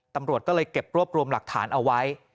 ตำรวจก็เลยเก็บรวบรวมหลักฐานเอาไว้